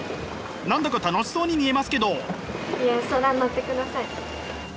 何だか楽しそうに見えますけど。